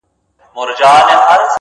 o گراني په دې ياغي سيتار راته خبري کوه،